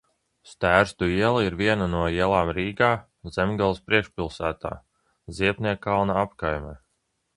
Stērstu iela ir viena no ielām Rīgā, Zemgales priekšpilsētā, Ziepniekkalna apkaimē.